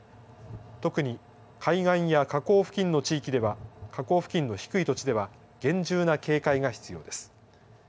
特に海岸や河口付近の地域では河口付近の低い土地では厳重な警戒が必要です。